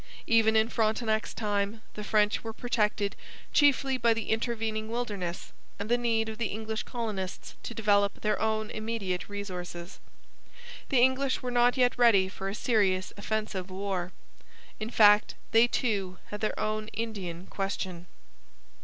Even in Frontenac's time the French were protected chiefly by the intervening wilderness and the need of the English colonists to develop their own immediate resources. The English were not yet ready for a serious offensive war. In fact they, too, had their own Indian question.